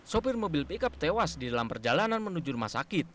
supir mobil pick up tewas di dalam perjalanan menuju rumah sakit